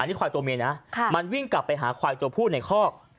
นี่ควายตัวเมียนะมันวิ่งกลับไปหาควายตัวผู้ในคอก